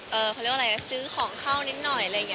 เขาเรียกว่าอะไรซื้อของเข้านิดหน่อยอะไรอย่างนี้